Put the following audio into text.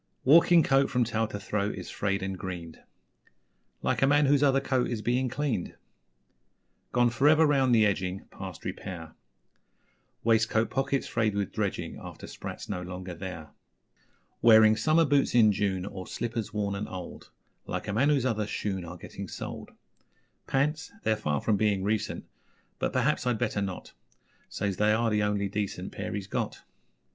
Walking coat from tail to throat is Frayed and greened Like a man whose other coat is Being cleaned; Gone for ever round the edging Past repair Waistcoat pockets frayed with dredging After 'sprats' no longer there. Wearing summer boots in June, or Slippers worn and old Like a man whose other shoon are Getting soled. Pants? They're far from being recent But, perhaps, I'd better not Says they are the only decent Pair he's got.